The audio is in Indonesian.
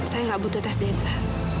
saya nggak butuh tes dna